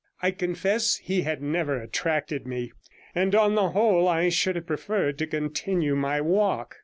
I confess he had never attracted me, and on the whole I should have preferred to continue my walk.